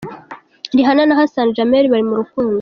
Rihanna na Hassan Jameel bari mu rukundo.